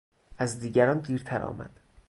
از دیگران دیرتر آمد.